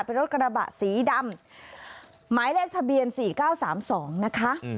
เป็นรถกระบะสีดำหมายเลขทะเบียน๔๙๓๒นะคะ